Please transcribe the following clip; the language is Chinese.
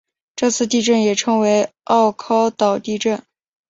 这次地震也称为奥尻岛地震。